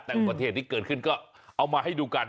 แต่อุบัติเหตุที่เกิดขึ้นก็เอามาให้ดูกัน